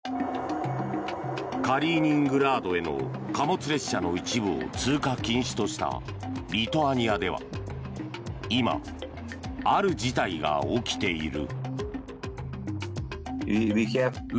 カリーニングラードへの貨物列車の一部を通過禁止としたリトアニアでは今、ある事態が起きている。